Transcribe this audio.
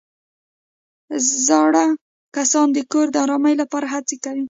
زاړه کسان د کور د ارامۍ لپاره هڅې کوي